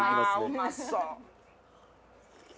あうまそう。